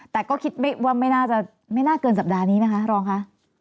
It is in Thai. แต่ก็คิดว่าไม่น่าเกินสัปดาห์นี้ไหมค่ะรองค่ะ